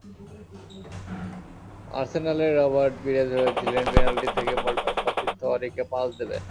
আর্সেনালের Robert Pires ভেবেছিলেন, penalty থেকে বলটা সতীর্থ অঁরিকে পাস দেবেন।